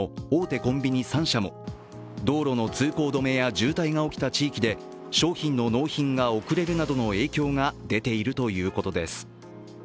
コンビニ３社も道路の通行止めや渋滞が起きた地域で商品の納品が遅れるなどの影響が出ているということです。